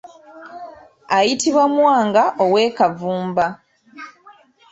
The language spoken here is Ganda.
Ayitibwa Mwanga ow'e Kavumba.